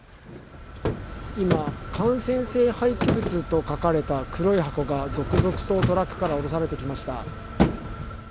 今、感染性廃棄物と書かれた黒い箱が続々とトラックから降ろされてきました。